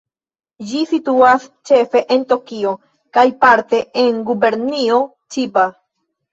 Ĝi situas ĉefe en Tokio kaj parte en Gubernio Ĉiba.